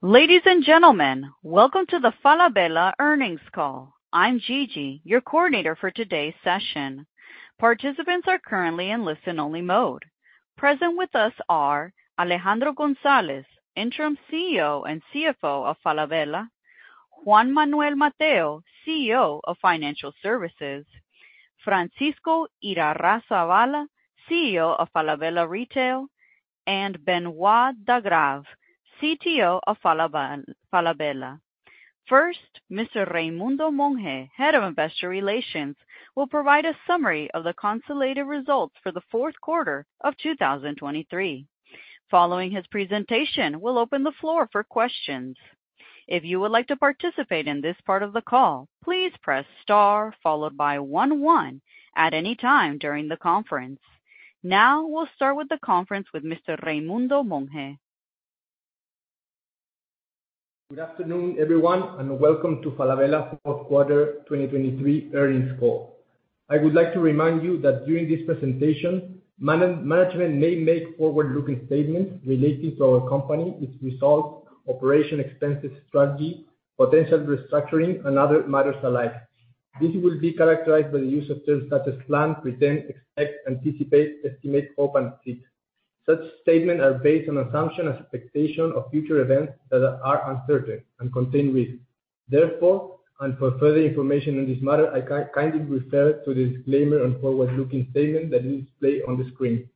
Ladies and gentlemen, welcome to the Falabella Earnings call. I'm Gigi, your coordinator for today's session. Participants are currently in listen-only mode. Present with us are Alejandro González, interim CEO and CFO of Falabella, Juan Manuel Matheu, CEO of Financial Services, Francisco Irarrázaval, CEO of Falabella Retail, and Benoit de Grave, CTO of Falabella. First, Mr. Raimundo Monge, head of investor relations, will provide a summary of the consolidated results for the Q4 of 2023. Following his presentation, we'll open the floor for questions. If you would like to participate in this part of the call, please press * followed by 11 at any time during the conference. Now we'll start with the conference with Mr. Raimundo Monge. Good afternoon, everyone, and welcome to Falabella Q4 2023 Earnings call. I would like to remind you that during this presentation, management may make forward-looking statements relating to our company, its results, operation expenses strategy, potential restructuring, and other matters alike. This will be characterized by the use of terms such as plan, pretend, expect, anticipate, estimate, hope, and seek. Such statements are based on assumption and expectation of future events that are uncertain and contain risks. Therefore, and for further information on this matter, I kindly refer to the disclaimer on forward-looking statement that is displayed on the screen.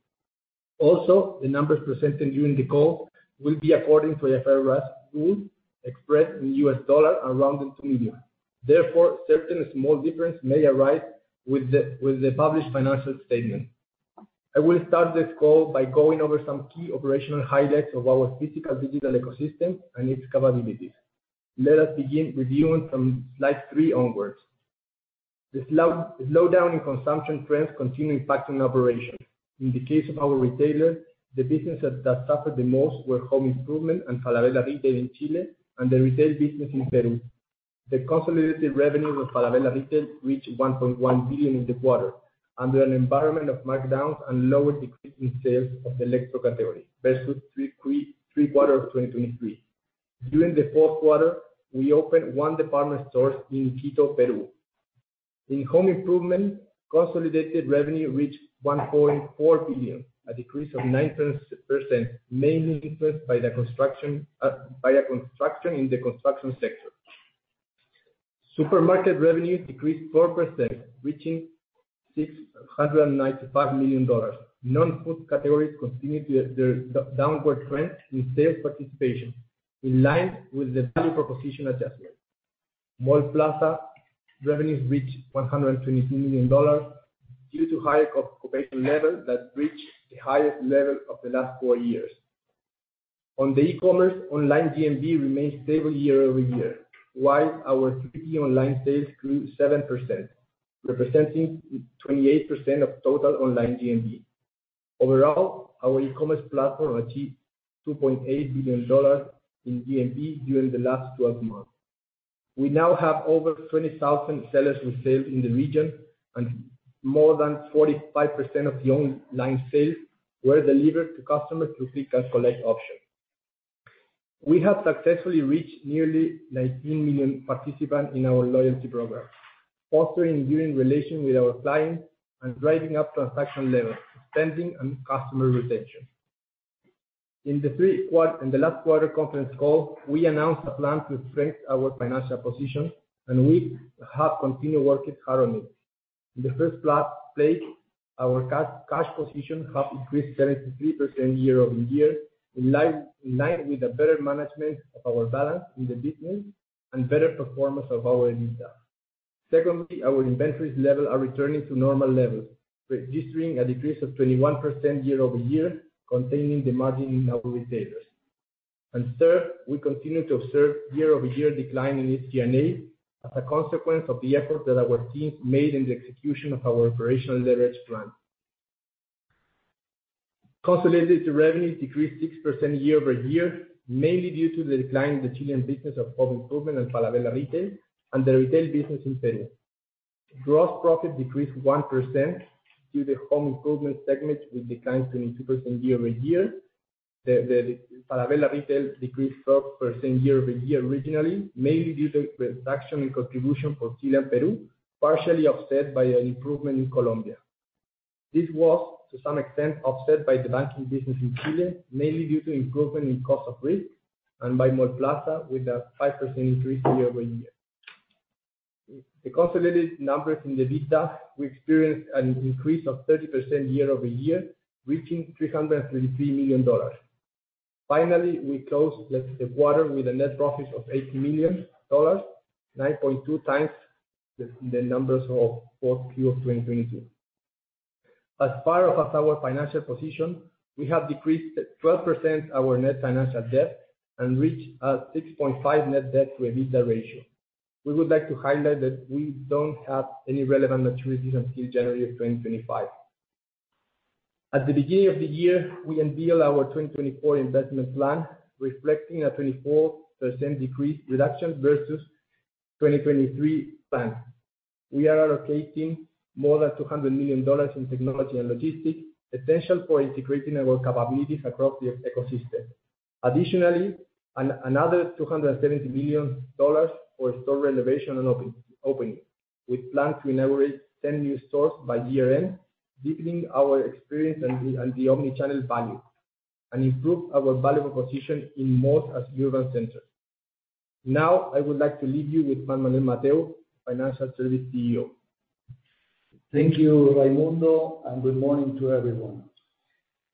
Also, the numbers presented during the call will be according to the FedRAMP rules expressed in U.S. dollar and rounded to millions. Therefore, certain small differences may arise with the published financial statement. I will start this call by going over some key operational highlights of our physical digital ecosystem and its capabilities. Let us begin reviewing from slide 3 onwards. The slowdown in consumption trends continues impacting operations. In the case of our retailer, the businesses that suffered the most were home improvement and Falabella Retail in Chile, and the retail business in Peru. The consolidated revenues of Falabella Retail reached $1.1 billion in the quarter, under an environment of markdowns and lower decrease in sales of the electro category versus three quarters of 2023. During the Q4, we opened one department store in Quito, Peru. In home improvement, consolidated revenue reached $1.4 billion, a decrease of 9%, mainly influenced by the construction in the construction sector. Supermarket revenue decreased 4%, reaching $695 million. Non-food categories continue their downward trend in sales participation, in line with the value proposition adjustment. Mallplaza revenues reached $122 million due to higher occupation levels that reached the highest level of the last four years. On the e-commerce, online GMV remained stable year-over-year, while our 3P online sales grew 7%, representing 28% of total online GMV. Overall, our e-commerce platform achieved $2.8 billion in GMV during the last 12 months. We now have over 20,000 sellers reselled in the region, and more than 45% of the online sales were delivered to customers through Click-and-Collect options. We have successfully reached nearly 19 million participants in our loyalty program, fostering enduring relations with our clients and driving up transaction levels, spending, and customer retention. In the last quarter conference call, we announced a plan to strengthen our financial position, and we have continued working hard on it. In the first place, our cash position has increased 73% year-over-year, in line with better management of our balance in the business and better performance of our leaders. Secondly, our inventory levels are returning to normal levels, registering a decrease of 21% year-over-year, containing the margin in our retailers. And third, we continue to observe year-over-year decline in SG&A as a consequence of the efforts that our teams made in the execution of our operational leverage plan. Consolidated revenue decreased 6% year-over-year, mainly due to the decline in the Chilean business of home improvement and Falabella Retail and the retail business in Peru. Gross profit decreased 1% due to the home improvement segment with declines 22% year-over-year. Falabella Retail decreased 4% year-over-year originally, mainly due to reduction in contribution for Chile and Peru, partially offset by an improvement in Colombia. This was, to some extent, offset by the banking business in Chile, mainly due to improvement in cost of risk, and by Mall Plaza with a 5% year-over-year increase. The consolidated numbers in the EBITDA, we experienced an increase of 30% year-over-year, reaching $333 million. Finally, we closed the quarter with a net profit of $80 million, 9.2 times the numbers of Q4 of 2022. As part of our financial position, we have decreased 12% our net financial debt and reached a 6.5 net debt to EBITDA ratio. We would like to highlight that we don't have any relevant maturities until January of 2025. At the beginning of the year, we unveiled our 2024 investment plan, reflecting a 24% decrease reduction versus 2023 plan. We are allocating more than $200 million in technology and logistics, essential for integrating our capabilities across the ecosystem. Additionally, another $270 million for store renovation and opening, with plans to inaugurate 10 new stores by year-end, deepening our experience and the omnichannel value, and improve our value proposition in most urban centers. Now, I would like to leave you with Juan Manuel Matheu, Financial Services CEO. Thank you, Raimundo, and good morning to everyone.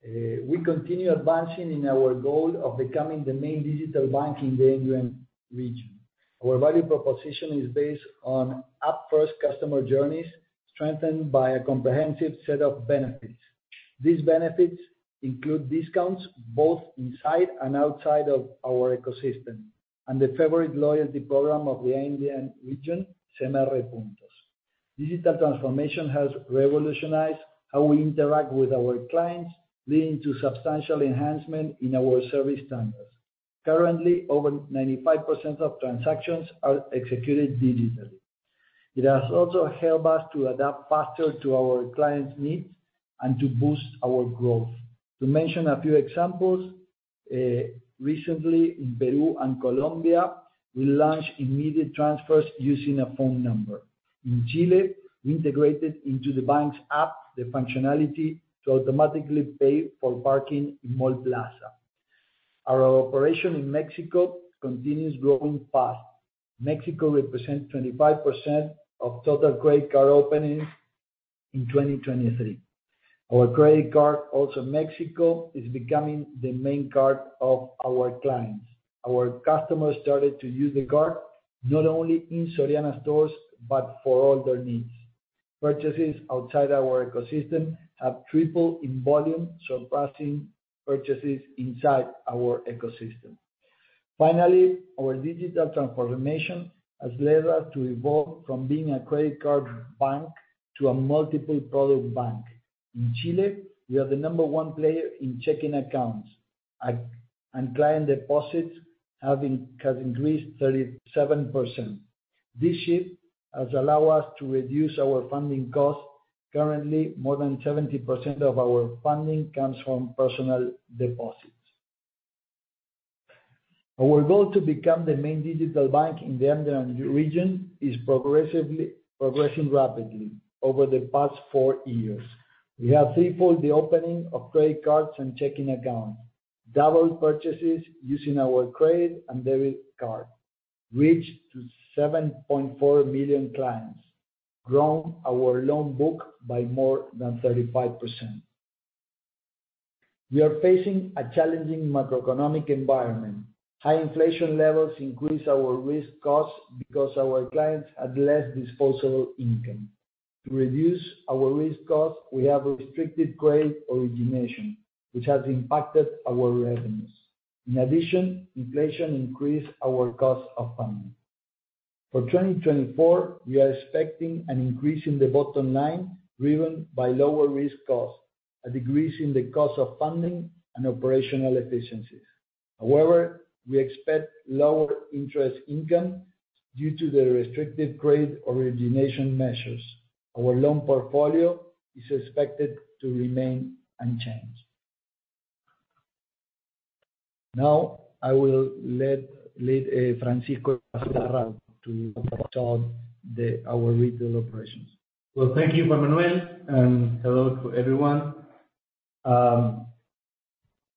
We continue advancing in our goal of becoming the main digital bank in the Andean region. Our value proposition is based on up-front customer journeys, strengthened by a comprehensive set of benefits. These benefits include discounts both inside and outside of our ecosystem and the favorite loyalty program of the Andean region, CMR Puntos. Digital transformation has revolutionized how we interact with our clients, leading to substantial enhancement in our service standards. Currently, over 95% of transactions are executed digitally. It has also helped us to adapt faster to our clients' needs and to boost our growth. To mention a few examples, recently in Peru and Colombia, we launched immediate transfers using a phone number. In Chile, we integrated into the bank's app the functionality to automatically pay for parking in Mall Plaza. Our operation in Mexico continues growing fast. Mexico represents 25% of total credit card openings in 2023. Our credit card, also Mexico, is becoming the main card of our clients. Our customers started to use the card not only in Soriana stores but for all their needs. Purchases outside our ecosystem have tripled in volume, surpassing purchases inside our ecosystem. Finally, our digital transformation has led us to evolve from being a credit card bank to a multiple-product bank. In Chile, we are the number one player in checking accounts, and client deposits have increased 37%. This shift has allowed us to reduce our funding costs. Currently, more than 70% of our funding comes from personal deposits. Our goal to become the main digital bank in the Andean region is progressing rapidly over the past four years. We have threefolded the opening of credit cards and checking accounts, doubled purchases using our credit and debit card, reached 7.4 million clients, and grown our loan book by more than 35%. We are facing a challenging macroeconomic environment. High inflation levels increase our risk costs because our clients have less disposable income. To reduce our risk costs, we have restricted credit origination, which has impacted our revenues. In addition, inflation increased our cost of funding. For 2024, we are expecting an increase in the bottom line driven by lower risk costs, a decrease in the cost of funding, and operational efficiencies. However, we expect lower interest income due to the restrictive credit origination measures. Our loan portfolio is expected to remain unchanged. Now, I will leave Francisco Irarrázaval to talk about our retail operations. Well, thank you, Juan Manuel, and hello to everyone.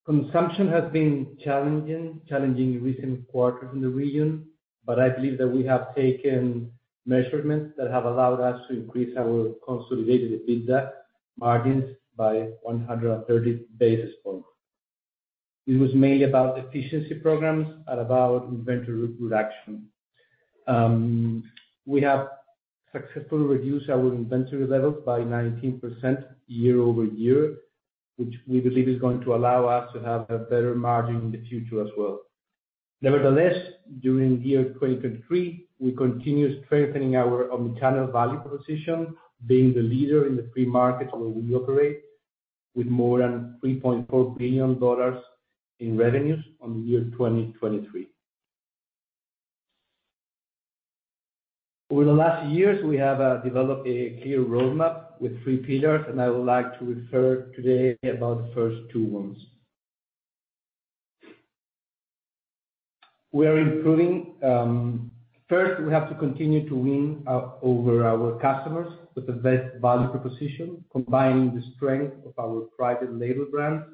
Consumption has been challenging in recent quarters in the region, but I believe that we have taken measurements that have allowed us to increase our consolidated EBITDA margins by 130 basis points. It was mainly about efficiency programs and about inventory reduction. We have successfully reduced our inventory levels by 19% year-over-year, which we believe is going to allow us to have a better margin in the future as well. Nevertheless, during year 2023, we continued strengthening our omnichannel value proposition, being the leader in the three markets where we operate, with more than $3.4 billion in revenues on year 2023. Over the last years, we have developed a clear roadmap with three pillars, and I would like to refer today about the first two ones. We are improving. First, we have to continue to win over our customers with the best value proposition, combining the strength of our private label brands,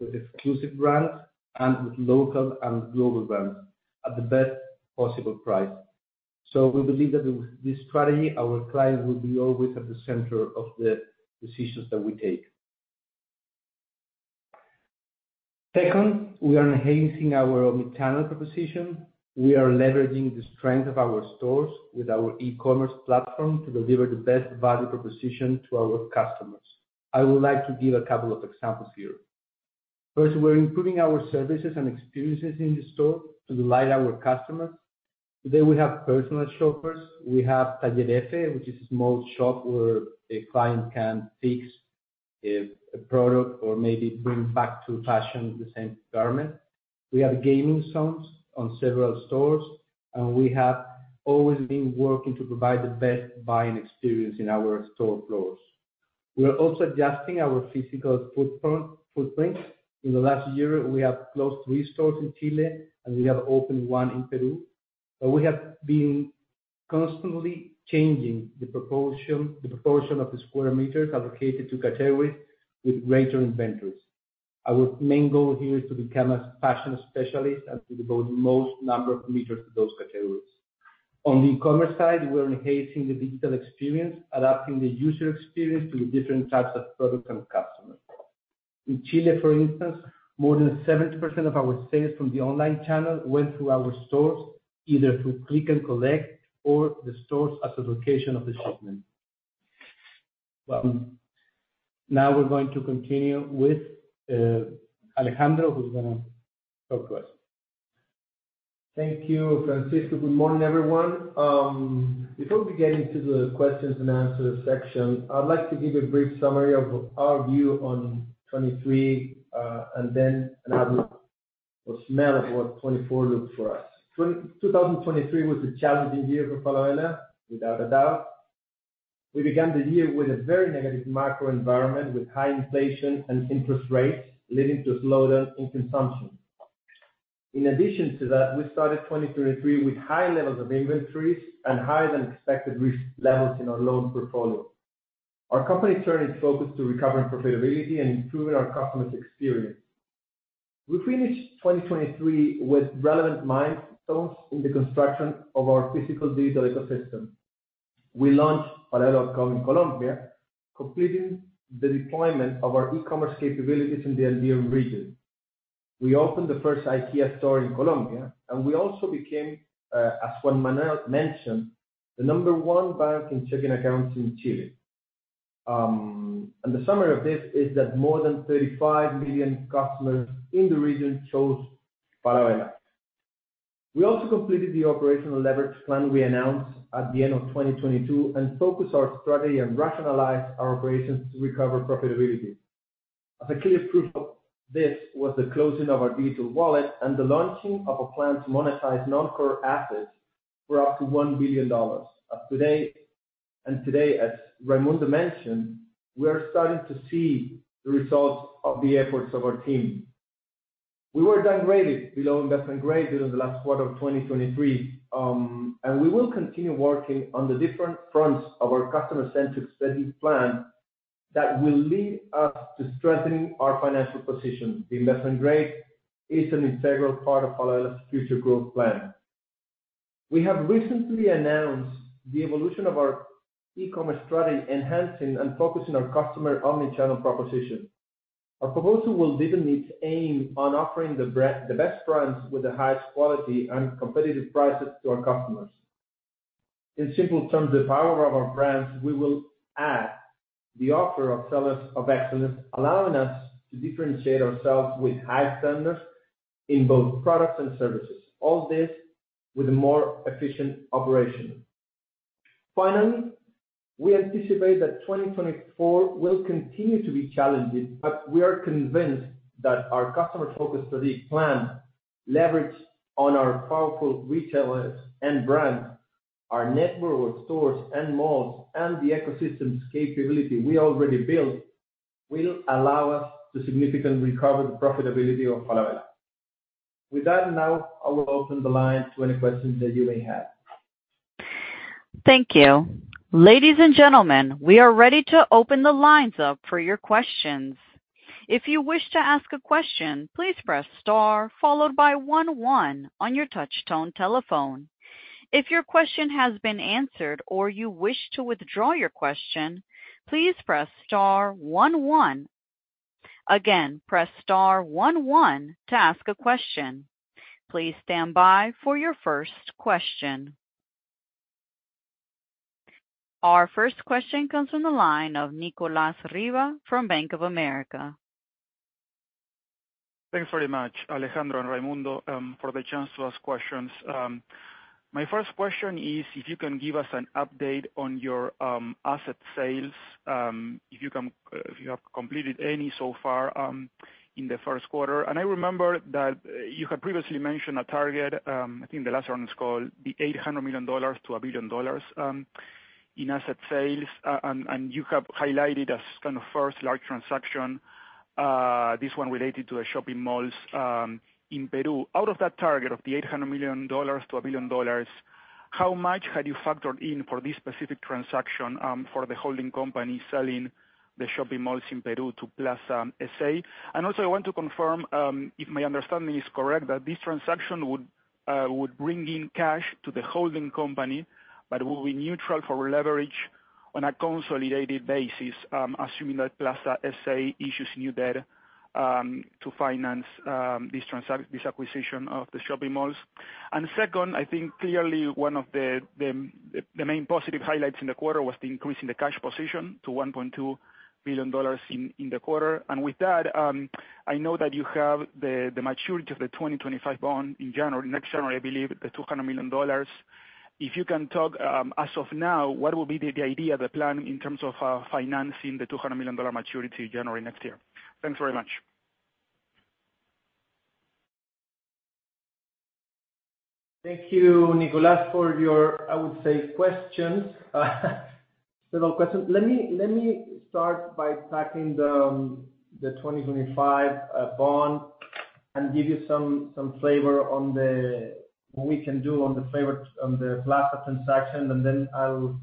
with exclusive brands, and with local and global brands at the best possible price. So we believe that with this strategy, our clients will be always at the center of the decisions that we take. Second, we are enhancing our omnichannel proposition. We are leveraging the strength of our stores with our e-commerce platform to deliver the best value proposition to our customers. I would like to give a couple of examples here. First, we are improving our services and experiences in the store to delight our customers. Today, we have personal shoppers. We have Taller F, which is a small shop where a client can fix a product or maybe bring back to fashion the same garment. We have gaming zones on several stores, and we have always been working to provide the best buying experience in our store floors. We are also adjusting our physical footprint. In the last year, we have closed 3 stores in Chile, and we have opened 1 in Peru. But we have been constantly changing the proportion of the square meters allocated to categories with greater inventories. Our main goal here is to become a fashion specialist and to devote the most number of meters to those categories. On the e-commerce side, we are enhancing the digital experience, adapting the user experience to the different types of products and customers. In Chile, for instance, more than 70% of our sales from the online channel went through our stores, either through Click-and-Collect or the stores as a location of the shipment. Now, we're going to continue with Alejandro, who's going to talk to us. Thank you, Francisco. Good morning, everyone. Before we get into the questions and answers section, I'd like to give a brief summary of our view on 2023 and then an overview of what 2024 looked for us. 2023 was a challenging year for Falabella, without a doubt. We began the year with a very negative macro environment, with high inflation and interest rates leading to a slowdown in consumption. In addition to that, we started 2023 with high levels of inventories and higher than expected risk levels in our loan portfolio. Our company turned its focus to recovering profitability and improving our customers' experience. We finished 2023 with relevant milestones in the construction of our physical digital ecosystem. We launched Falabella.com in Colombia, completing the deployment of our e-commerce capabilities in the Andean region. We opened the first IKEA store in Colombia, and we also became, as Juan Manuel mentioned, the number one bank in checking accounts in Chile. The summary of this is that more than 35 million customers in the region chose Falabella. We also completed the operational leverage plan we announced at the end of 2022 and focused our strategy and rationalized our operations to recover profitability. As a clear proof of this was the closing of our digital wallet and the launching of a plan to monetize non-core assets for up to $1 billion. Today, as Raimundo mentioned, we are starting to see the results of the efforts of our team. We were downgraded below Investment Grade during the last quarter of 2023, and we will continue working on the different fronts of our customer-centric steady plan that will lead us to strengthening our financial position. The Investment Grade is an integral part of Falabella's future growth plan. We have recently announced the evolution of our e-commerce strategy, enhancing and focusing our customer Omnichannel proposition. Our proposal will definitely aim on offering the best brands with the highest quality and competitive prices to our customers. In simple terms, the power of our brands, we will add the offer of sellers of excellence, allowing us to differentiate ourselves with high standards in both products and services, all this with a more efficient operation. Finally, we anticipate that 2024 will continue to be challenging, but we are convinced that our customer-focused strategic plan, leveraged on our powerful retailers and brands, our network of stores and malls, and the ecosystem's capability we already built, will allow us to significantly recover the profitability of Falabella. With that, now I will open the line to any questions that you may have. Thank you. Ladies and gentlemen, we are ready to open the lines up for your questions. If you wish to ask a question, please press * followed by 11 on your touch-tone telephone. If your question has been answered or you wish to withdraw your question, please press * 11. Again, press * 11 to ask a question. Please stand by for your first question. Our first question comes from the line of Nicolas Riva from Bank of America. Thanks very much, Alejandro and Raimundo, for the chance to ask questions. My first question is if you can give us an update on your asset sales, if you have completed any so far in the Q1. And I remember that you had previously mentioned a target, I think the last round was called, the $800 million-$1 billion in asset sales, and you have highlighted as kind of first large transaction, this one related to the shopping malls in Peru. Out of that target of the $800 million-$1 billion, how much had you factored in for this specific transaction for the holding company selling the shopping malls in Peru to Plaza SA? Also, I want to confirm if my understanding is correct that this transaction would bring in cash to the holding company, but it will be neutral for leverage on a consolidated basis, assuming that Plaza SA issues new debt to finance this acquisition of the shopping malls. Second, I think clearly one of the main positive highlights in the quarter was the increase in the cash position to $1.2 billion in the quarter. With that, I know that you have the maturity of the 2025 bond in January next year, I believe, the $200 million. If you can talk, as of now, what will be the idea, the plan in terms of financing the $200 million maturity January next year? Thanks very much. Thank you, Nicolás, for your, I would say, questions. Several questions. Let me start by tackling the 2025 bond and give you some flavor on what we can do on the Plaza transaction, and then I'll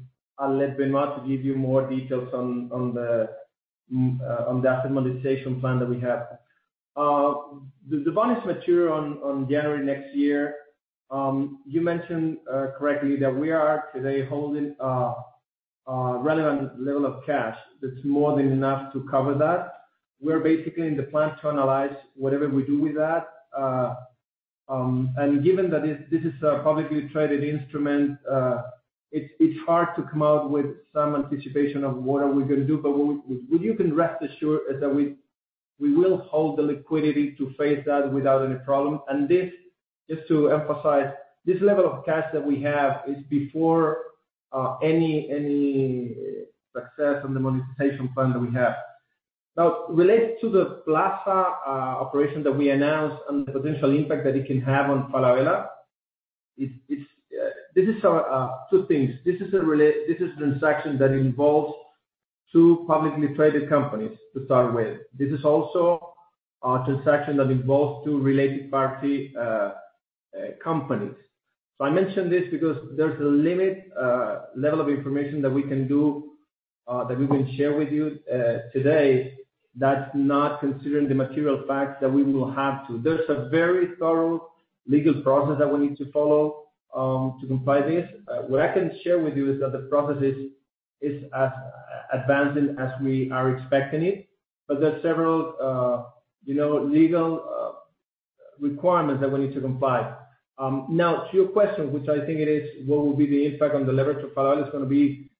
let Benoit give you more details on the asset monetization plan that we have. The bond is mature on January next year. You mentioned correctly that we are today holding a relevant level of cash. That's more than enough to cover that. We're basically in the plan to analyze whatever we do with that. And given that this is a publicly traded instrument, it's hard to come out with some anticipation of what are we going to do. But what you can rest assured is that we will hold the liquidity to face that without any problem. And just to emphasize, this level of cash that we have is before any success on the monetization plan that we have. Now, related to the Plaza operation that we announced and the potential impact that it can have on Falabella, this is two things. This is also a transaction that involves two publicly traded companies to start with. This is also a transaction that involves two related party companies. So I mentioned this because there's a limit level of information that we can do that we can share with you today that's not considering the material facts that we will have to. There's a very thorough legal process that we need to follow to comply with this. What I can share with you is that the process is as advancing as we are expecting it, but there's several legal requirements that we need to comply. Now, to your question, which I think it is, what will be the impact on the leverage of Falabella, it's going to be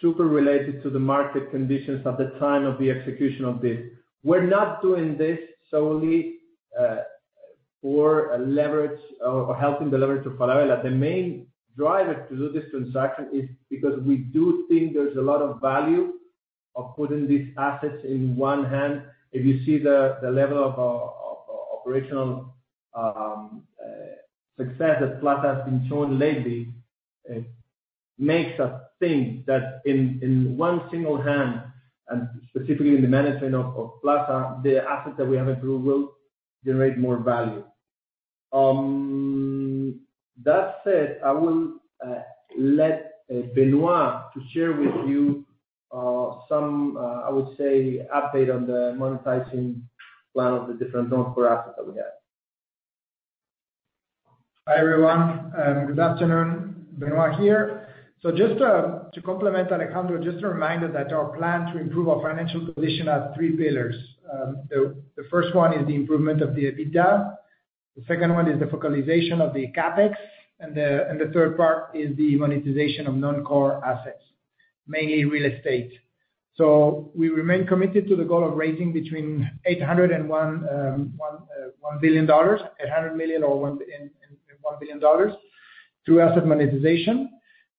super related to the market conditions at the time of the execution of this. We're not doing this solely for leverage or helping the leverage of Falabella. The main driver to do this transaction is because we do think there's a lot of value of putting these assets in one hand. If you see the level of operational success that Plaza has been showing lately, it makes us think that in one single hand, and specifically in the management of Plaza, the assets that we have in Peru will generate more value. That said, I will let Benoit to share with you some, I would say, update on the monetizing plan of the different non-core assets that we have. Hi, everyone. Good afternoon. Benoit here. So just to complement Alejandro, just a reminder that our plan to improve our financial position has three pillars. The first one is the improvement of the EBITDA. The second one is the focalization of the CAPEX. And the third part is the monetization of non-core assets, mainly real estate. So we remain committed to the goal of raising between $800 million and $1 billion, $800 million or $1 billion, through asset monetization.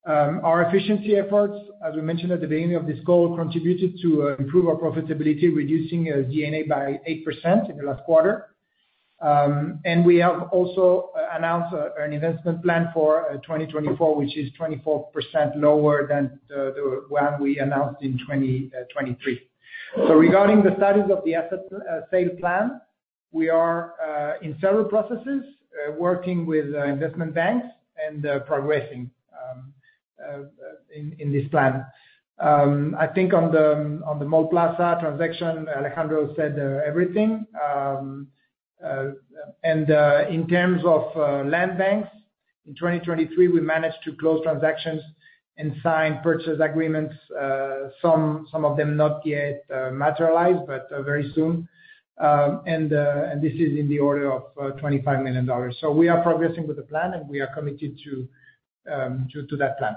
Our efficiency efforts, as we mentioned at the beginning of this call, contributed to improve our profitability, reducing SG&A by 8% in the last quarter. And we have also announced an investment plan for 2024, which is 24% lower than the one we announced in 2023. So regarding the studies of the asset sale plan, we are in several processes, working with investment banks and progressing in this plan. I think on the Mall Plaza transaction, Alejandro said everything. In terms of land banks, in 2023, we managed to close transactions and sign purchase agreements, some of them not yet materialized, but very soon. This is in the order of $25 million. We are progressing with the plan, and we are committed to that plan.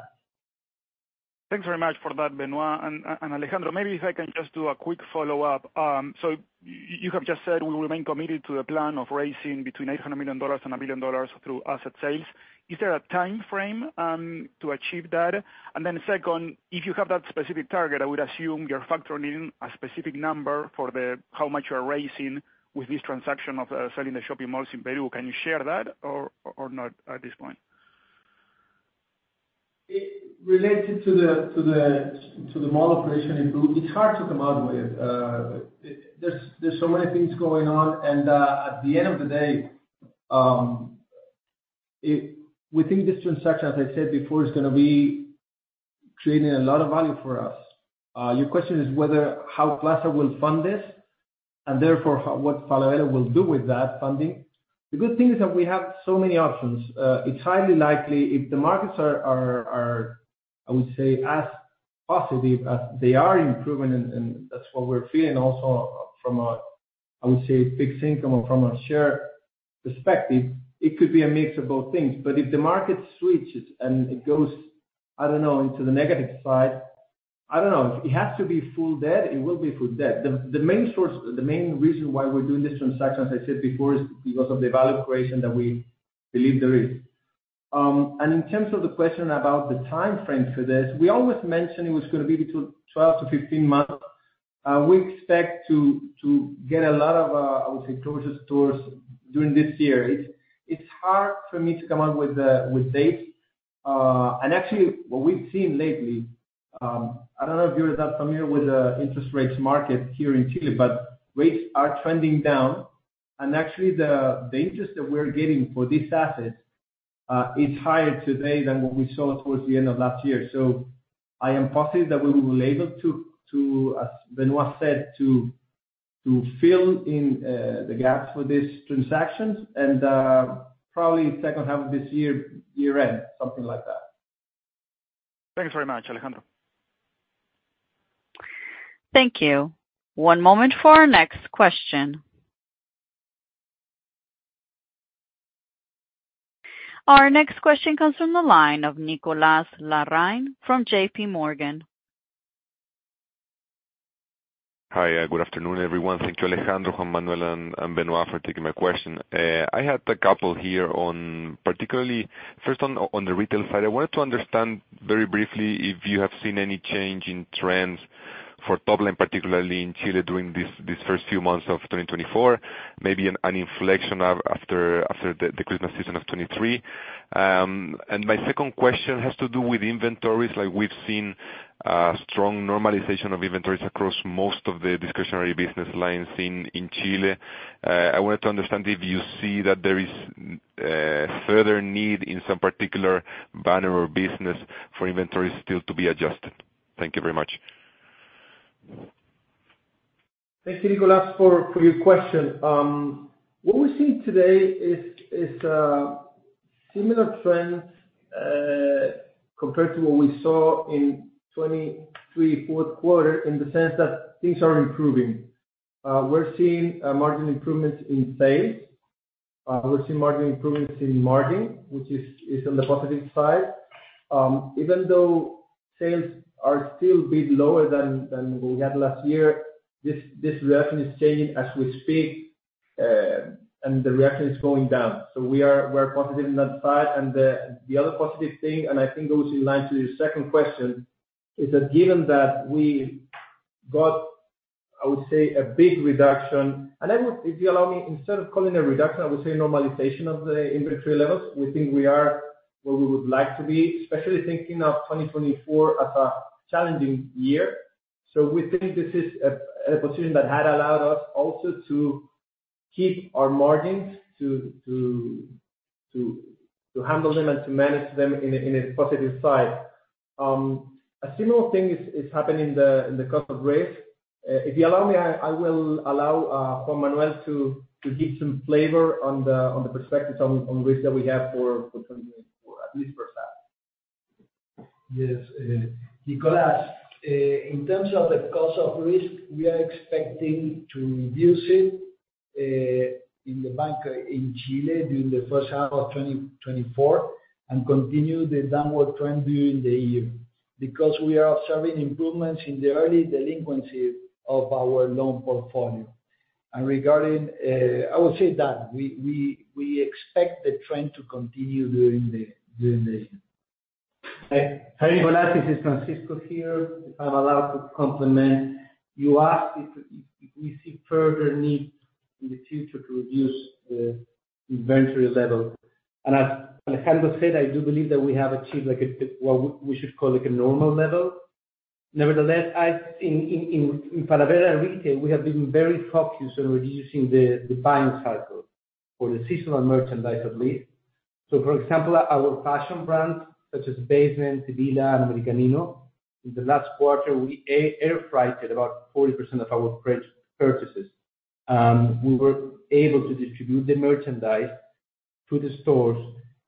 Thanks very much for that, Benoit. And Alejandro, maybe if I can just do a quick follow-up. So you have just said we remain committed to the plan of raising between $800 million and $1 billion through asset sales. Is there a time frame to achieve that? And then second, if you have that specific target, I would assume you're factoring in a specific number for how much you are raising with this transaction of selling the shopping malls in Peru. Can you share that or not at this point? Related to the mall operation in Peru, it's hard to come out with. There's so many things going on. At the end of the day, we think this transaction, as I said before, is going to be creating a lot of value for us. Your question is how Plaza will fund this and therefore what Falabella will do with that funding. The good thing is that we have so many options. It's highly likely if the markets are, I would say, as positive as they are improving, and that's what we're feeling also from a, I would say, fixed income or from a share perspective, it could be a mix of both things. If the market switches and it goes, I don't know, into the negative side, I don't know. If it has to be full debt, it will be full debt. The main reason why we're doing this transaction, as I said before, is because of the value creation that we believe there is. In terms of the question about the time frame for this, we always mentioned it was going to be between 12-15 months. We expect to get a lot of, I would say, closer stores during this year. It's hard for me to come out with dates. Actually, what we've seen lately, I don't know if you're that familiar with the interest rates market here in Chile, but rates are trending down. Actually, the interest that we're getting for these assets is higher today than what we saw towards the end of last year. I am positive that we will be able to, as Benoit said, to fill in the gaps for these transactions and probably second half of this year, year-end, something like that. Thanks very much, Alejandro. Thank you. One moment for our next question. Our next question comes from the line of Nicolás Larraín from JPMorgan. Hi. Good afternoon, everyone. Thank you, Alejandro, Juan Manuel, and Benoit for taking my question. I had a couple here on particularly first on the retail side. I wanted to understand very briefly if you have seen any change in trends for top line, particularly in Chile during these first few months of 2024, maybe an inflection after the Christmas season of 2023. My second question has to do with inventories. We've seen a strong normalization of inventories across most of the discretionary business lines in Chile. I wanted to understand if you see that there is further need in some particular banner or business for inventories still to be adjusted. Thank you very much. Thank you, Nicolás, for your question. What we're seeing today is similar trends compared to what we saw in 2023 Q4 in the sense that things are improving. We're seeing margin improvements in sales. We're seeing margin improvements in margin, which is on the positive side. Even though sales are still a bit lower than what we had last year, this reaction is changing as we speak, and the reaction is going down. So we're positive on that side. And the other positive thing, and I think goes in line to your second question, is that given that we got, I would say, a big reduction and if you allow me, instead of calling it reduction, I would say normalization of the inventory levels, we think we are where we would like to be, especially thinking of 2024 as a challenging year. So we think this is a position that had allowed us also to keep our margins, to handle them, and to manage them in a positive side. A similar thing is happening in the cost of risk. If you allow me, I will allow Juan Manuel to give some flavor on the perspectives on risk that we have for 2024, at least for a start. Yes. Nicolás, in terms of the cost of risk, we are expecting to reduce it in the bank in Chile during the first half of 2024 and continue the downward trend during the year because we are observing improvements in the early delinquency of our loan portfolio. Regarding, I would say that we expect the trend to continue during the year. Hi, Nicolás. This is Francisco here, if I'm allowed to complement. You asked if we see further need in the future to reduce the inventory level. And as Alejandro said, I do believe that we have achieved what we should call a normal level. Nevertheless, in Falabella Retail, we have been very focused on reducing the buying cycle for the seasonal merchandise, at least. So, for example, our fashion brands such as Basement, Sybilla, and Americanino, in the last quarter, we air-freighted about 40% of our purchases. We were able to distribute the merchandise to the stores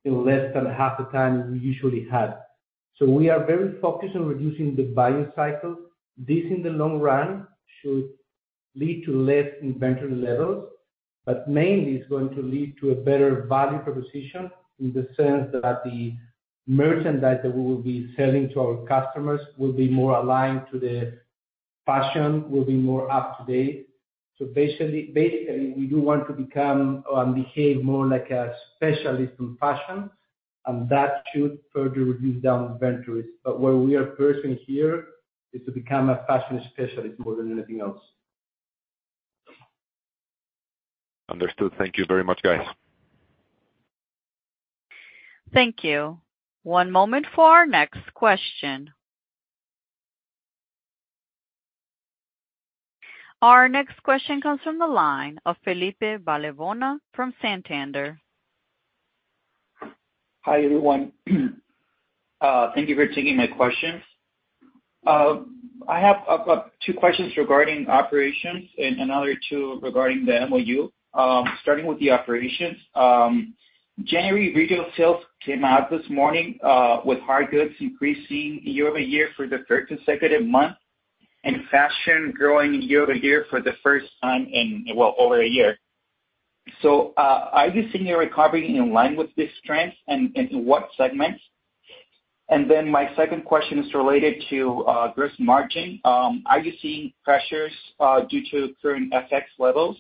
in less than half the time we usually had. So we are very focused on reducing the buying cycle. This, in the long run, should lead to less inventory levels, but mainly it's going to lead to a better value proposition in the sense that the merchandise that we will be selling to our customers will be more aligned to the fashion, will be more up-to-date. So basically, we do want to become and behave more like a specialist in fashion, and that should further reduce down inventories. But what we are pursuing here is to become a fashion specialist more than anything else. Understood. Thank you very much, guys. Thank you. One moment for our next question. Our next question comes from the line of Felipe Vallebona from Santander. Hi, everyone. Thank you for taking my questions. I have 2 questions regarding operations and another 2 regarding the MOU. Starting with the operations, January retail sales came out this morning with hard goods increasing year-over-year for the third consecutive month and fashion growing year-over-year for the first time in, well, over a year. So are you seeing a recovery in line with this trend and in what segments? And then my second question is related to gross margin. Are you seeing pressures due to current FX levels?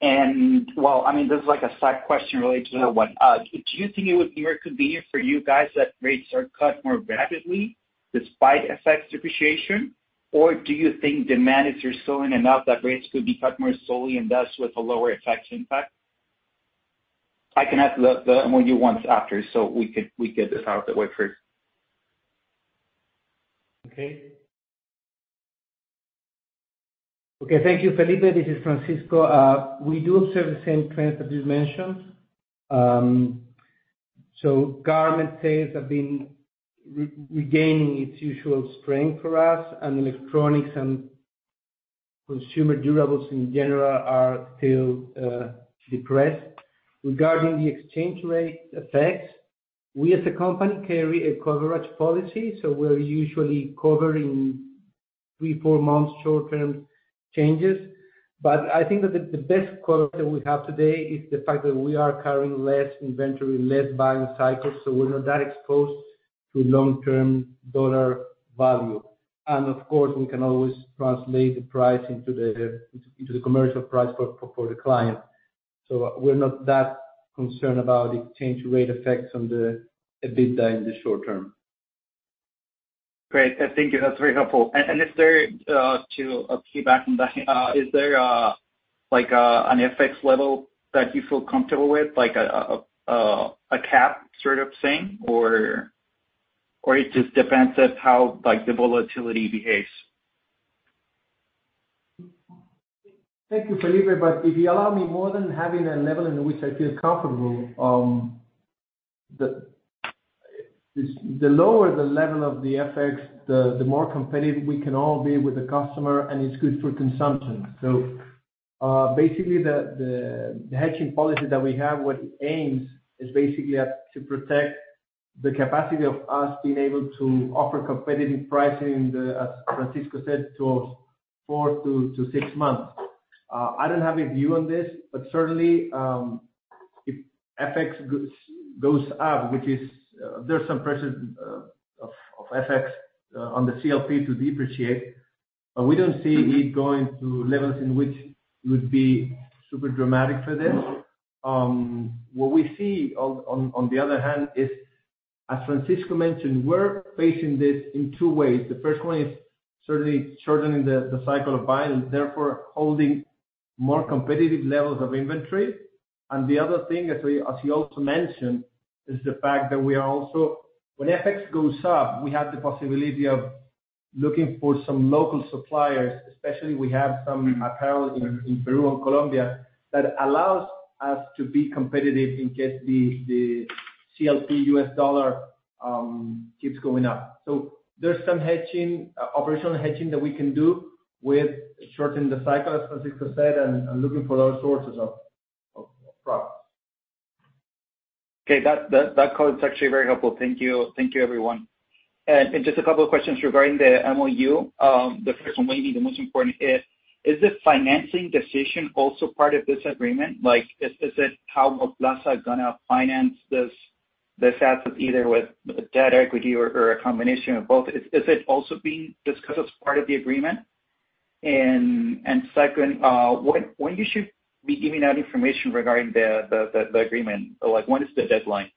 And well, I mean, this is a side question related to that one. Do you think it would be more convenient for you guys that rates are cut more rapidly despite FX depreciation, or do you think demand is still enough that rates could be cut more slowly and thus with a lower FX impact? I can ask the MOU once after so we get this out of the way first. Okay. Okay. Thank you, Felipe. This is Francisco. We do observe the same trends that you mentioned. So garment sales have been regaining its usual strength for us, and electronics and consumer durables in general are still depressed. Regarding the exchange rate effects, we as a company carry a coverage policy, so we're usually covering three, four months short-term changes. But I think that the best coverage that we have today is the fact that we are carrying less inventory, less buying cycles, so we're not that exposed to long-term dollar value. And of course, we can always translate the price into the commercial price for the client. So we're not that concerned about exchange rate effects on the EBITDA in the short term. Great. Thank you. That's very helpful. And to piggyback on that, is there an FX level that you feel comfortable with, like a cap sort of thing, or it just depends on how the volatility behaves? Thank you, Felipe. But if you allow me, more than having a level in which I feel comfortable, the lower the level of the FX, the more competitive we can all be with the customer, and it's good for consumption. So basically, the hedging policy that we have, what it aims is basically to protect the capacity of us being able to offer competitive pricing, as Francisco said, for 4-6 months. I don't have a view on this, but certainly, if FX goes up, there's some pressure of FX on the CLP to depreciate, but we don't see it going to levels in which it would be super dramatic for this. What we see, on the other hand, is, as Francisco mentioned, we're facing this in two ways. The first one is certainly shortening the cycle of buying and therefore holding more competitive levels of inventory. The other thing, as he also mentioned, is the fact that we are also, when FX goes up, the possibility of looking for some local suppliers, especially we have some apparel in Peru and Colombia, that allows us to be competitive in case the CLP U.S. dollar keeps going up. So there's some operational hedging that we can do with shortening the cycle, as Francisco said, and looking for other sources of products. Okay. That code is actually very helpful. Thank you, everyone. And just a couple of questions regarding the MOU. The first one, maybe the most important, is the financing decision also part of this agreement? Is it how Plaza is going to finance this asset, either with debt, equity, or a combination of both? Is it also being discussed as part of the agreement? And second, when you should be giving out information regarding the agreement? When is the deadline?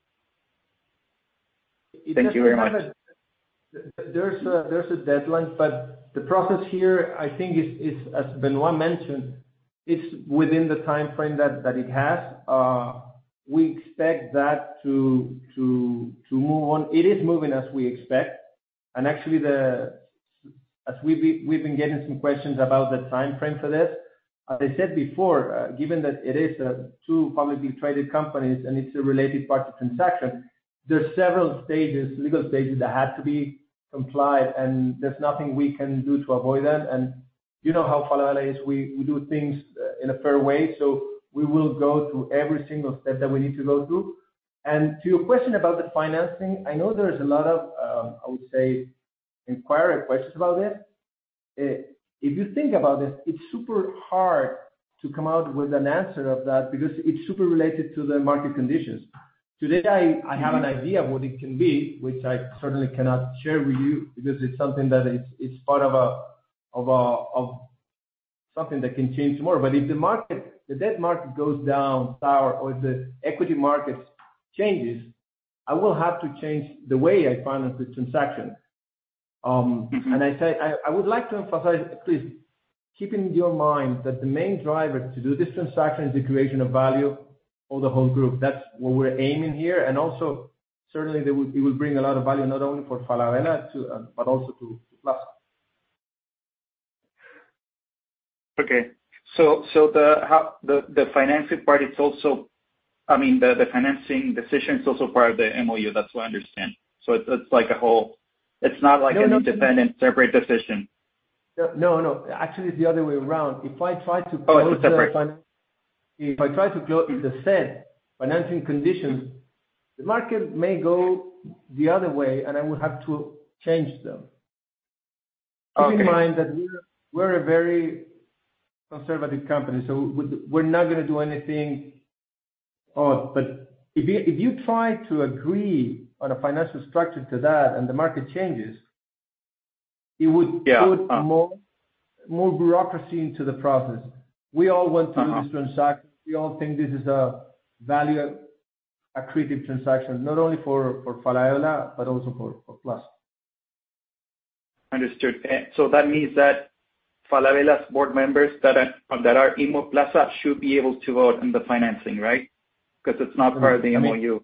Thank you very much. There's a deadline, but the process here, I think, as Benoit mentioned, it's within the time frame that it has. We expect that to move on. It is moving as we expect. Actually, as we've been getting some questions about the time frame for this, as I said before, given that it is two publicly traded companies and it's a related part of transaction, there's several legal stages that have to be complied, and there's nothing we can do to avoid that. You know how Falabella is. We do things in a fair way, so we will go through every single step that we need to go through. To your question about the financing, I know there's a lot of, I would say, inquiry questions about this. If you think about this, it's super hard to come out with an answer of that because it's super related to the market conditions. Today, I have an idea of what it can be, which I certainly cannot share with you because it's something that it's part of something that can change tomorrow. But if the debt market goes down, sour, or if the equity markets change, I will have to change the way I finance the transaction. And I would like to emphasize, please, keep in your mind that the main driver to do this transaction is the creation of value for the whole group. That's what we're aiming here. And also, certainly, it will bring a lot of value not only for Falabella but also to Plaza. Okay. So the financing part, it's also I mean, the financing decision is also part of the MOU. That's what I understand. So it's like a whole it's not like an independent, separate decision. No, no. Actually, it's the other way around. If I try to close the. Oh, it's a separate. If I try to close it, the said financing conditions, the market may go the other way, and I will have to change them. Keep in mind that we're a very conservative company, so we're not going to do anything odd. But if you try to agree on a financial structure to that and the market changes, it would put more bureaucracy into the process. We all want to do this transaction. We all think this is a value-accretive transaction, not only for Falabella but also for Plaza. Understood. So that means that Falabella's board members that are in Plaza should be able to vote on the financing, right? Because it's not part of the MOU.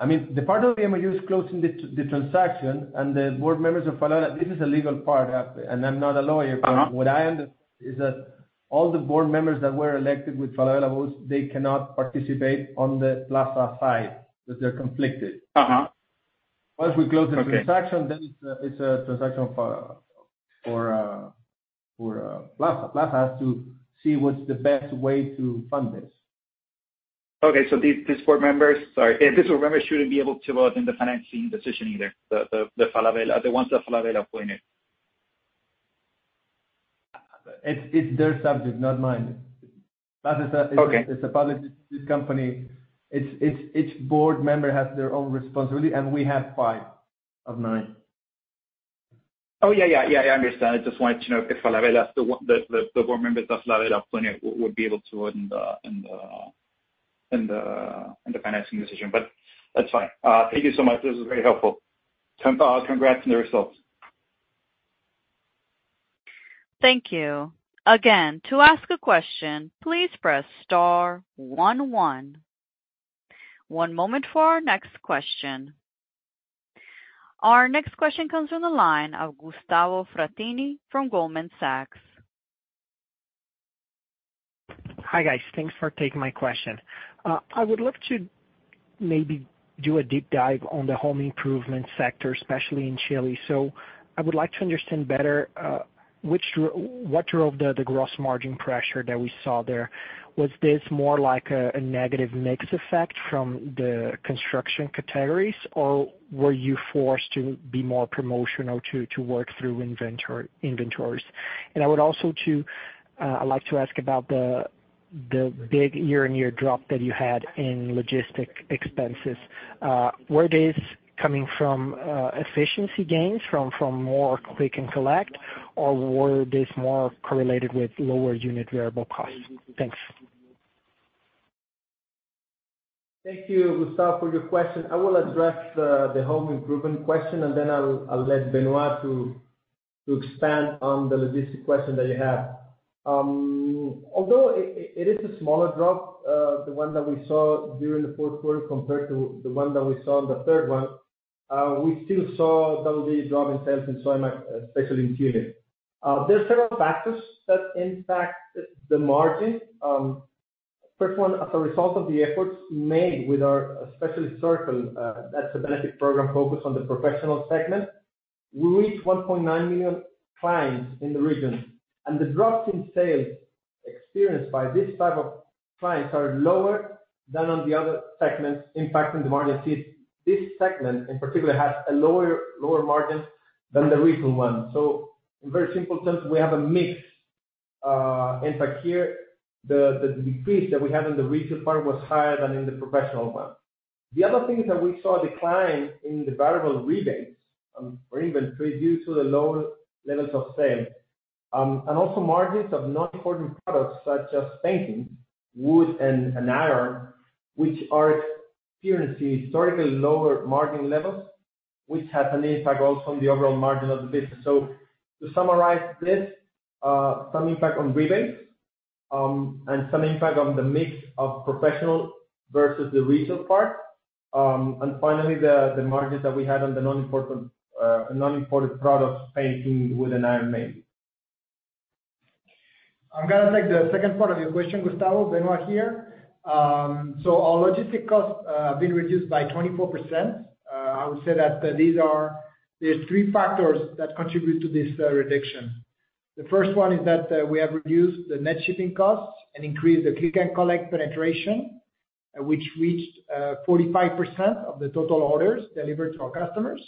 I mean, the part of the MOU is closing the transaction, and the board members of Falabella—this is a legal part, and I'm not a lawyer. But what I understand is that all the board members that were elected with Falabella votes, they cannot participate on the Plaza side because they're conflicted. Once we close the transaction, then it's a transaction for Plaza. Plaza has to see what's the best way to fund this. Okay. So these board members shouldn't be able to vote in the financing decision either, the ones that Falabella appointed? It's their subject, not mine. Plaza is a publicly traded company. Each board member has their own responsibility, and we have five of nine. Oh, yeah, yeah, yeah. I understand. I just wanted to know if Falabella the board members that Falabella appointed would be able to vote in the financing decision. But that's fine. Thank you so much. This was very helpful. Congrats on the results. Thank you. Again, to ask a question, please press * 11. One moment for our next question. Our next question comes from the line of Gustavo Fratini from Goldman Sachs. Hi, guys. Thanks for taking my question. I would love to maybe do a deep dive on the home improvement sector, especially in Chile. So I would like to understand better what drove the gross margin pressure that we saw there. Was this more like a negative mix effect from the construction categories, or were you forced to be more promotional to work through inventories? And I would also like to ask about the big year-on-year drop that you had in logistic expenses. Were these coming from efficiency gains, from more click and collect, or were this more correlated with lower unit variable costs? Thanks. Thank you, Gustavo, for your question. I will address the home improvement question, and then I'll let Benoit to expand on the logistic question that you have. Although it is a smaller drop, the one that we saw during the Q4 compared to the one that we saw in the third one, we still saw a double-digit drop in sales in Sodimac, especially in Chile. There are several factors that impact the margin. First one, as a result of the efforts made with our Specialist Circle that's a benefit program focused on the professional segment, we reached 1.9 million clients in the region. And the drops in sales experienced by this type of clients are lower than on the other segments impacting the margins. This segment, in particular, has a lower margin than the retail one. So in very simple terms, we have a mixed impact here. The decrease that we had in the retail part was higher than in the professional one. The other thing is that we saw a decline in the variable rebates for inventory due to the lower levels of sale. And also, margins of non-imported products such as painting, wood, and iron, which are experiencing historically lower margin levels, which has an impact also on the overall margin of the business. So to summarize this, some impact on rebates and some impact on the mix of professional versus the retail part. And finally, the margins that we had on the non-imported products, painting, wood, and iron mainly. I'm going to take the second part of your question, Gustavo. Benoit here. So our logistics costs have been reduced by 24%. I would say that there's three factors that contribute to this reduction. The first one is that we have reduced the net shipping costs and increased the click and collect penetration, which reached 45% of the total orders delivered to our customers.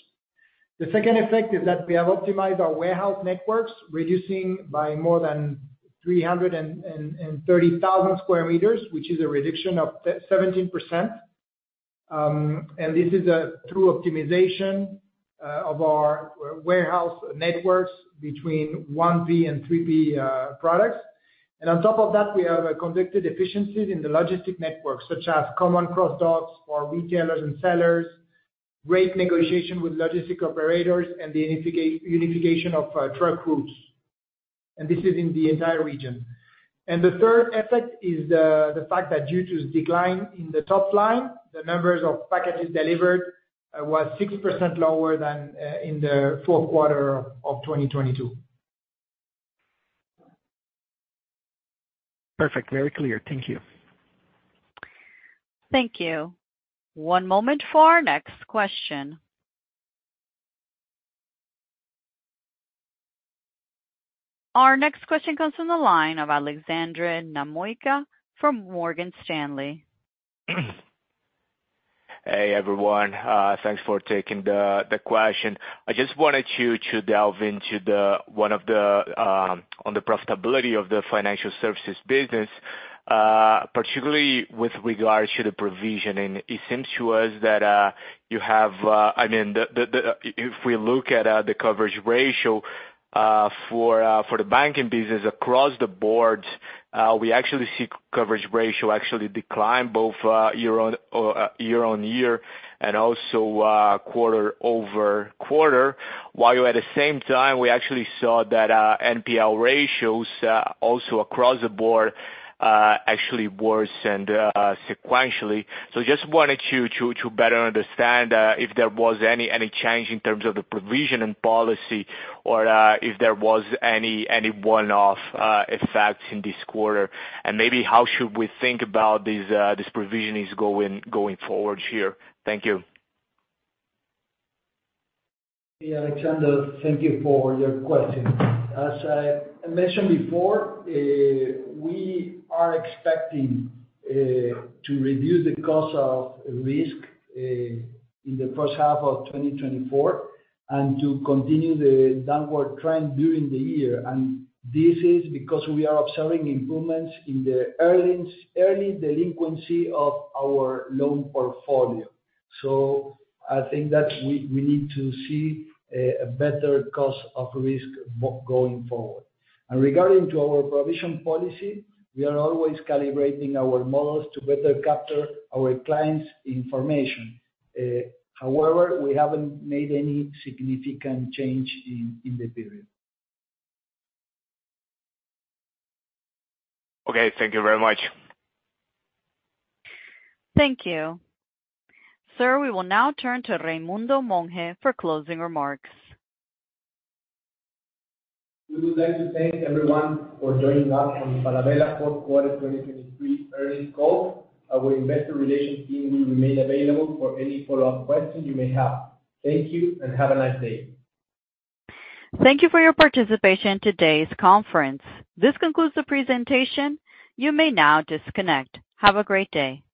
The second effect is that we have optimized our warehouse networks, reducing by more than 330,000 square meters, which is a reduction of 17%. And this is through optimization of our warehouse networks between 1P and 3P products. And on top of that, we have conducted efficiencies in the logistics network, such as common cross-docks for retailers and sellers, great negotiation with logistic operators, and the unification of truck routes. And this is in the entire region. And the third effect is the fact that due to the decline in the top line, the numbers of packages delivered were 6% lower than in the Q4 of 2022. Perfect. Very clear. Thank you. Thank you. One moment for our next question. Our next question comes from the line of Alejandro Namuica from Morgan Stanley. Hey, everyone. Thanks for taking the question. I just wanted you to delve into the profitability of the financial services business, particularly with regards to the provision. And it seems to us that you have I mean, if we look at the coverage ratio for the banking business across the board, we actually see coverage ratio actually decline both year-over-year and also quarter-over-quarter, while at the same time, we actually saw that NPL ratios also across the board actually worsened sequentially. So I just wanted you to better understand if there was any change in terms of the provision and policy or if there was any one-off effects in this quarter and maybe how should we think about these provisions going forward here. Thank you. Hey, Alejandro. Thank you for your question. As I mentioned before, we are expecting to reduce the cost of risk in the first half of 2024 and to continue the downward trend during the year. And this is because we are observing improvements in the early delinquency of our loan portfolio. So I think that we need to see a better cost of risk going forward. And regarding to our provision policy, we are always calibrating our models to better capture our clients' information. However, we haven't made any significant change in the period. Okay. Thank you very much. Thank you. Sir, we will now turn to Raimundo Monge for closing remarks. We would like to thank everyone for joining us on Falabella Q4 2023 earnings call. Our investor relations team. We remain available for any follow-up questions you may have. Thank you and have a nice day. Thank you for your participation in today's conference. This concludes the presentation. You may now disconnect. Have a great day.